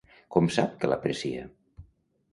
Com sap que l'aprecia?